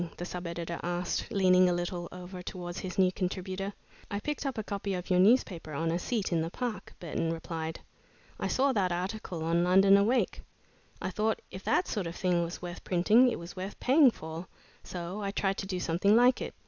the sub editor asked, leaning a little over towards his new contributor. "I picked up a copy of your newspaper on a seat in the Park," Burton replied. "I saw that article on 'London Awake.' I thought if that sort of thing was worth printing, it was worth paying for, so I tried to do something like it.